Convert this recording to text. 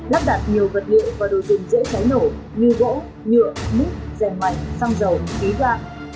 lắp đặt nhiều vật liệu và đồ dùng dễ cháy nổ như gỗ nhựa mít rèn mảnh xăng dầu ví da